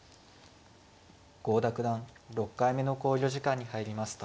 郷田九段６回目の考慮時間に入りました。